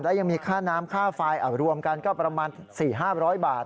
และยังมีค่าน้ำค่าไฟรวมกันก็ประมาณ๔๕๐๐บาท